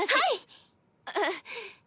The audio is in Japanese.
あっ。